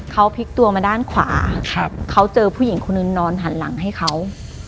เขาพลิกตัวมาด้านขวาเขาเจอผู้หญิงคนนึงนอนหันหลังให้เขา